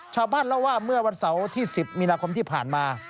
ชาวบ้านเล่าว่าเมื่อวันเสาร์ที่๑๐มีนาคมที่ผ่านมา